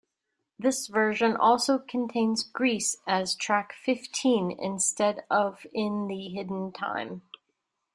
This version also contains "Grease" as track fifteen, instead of in the hidden time.